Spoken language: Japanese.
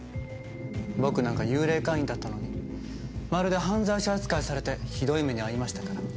僕なんか幽霊会員だったのにまるで犯罪者扱いされてひどい目に遭いましたから。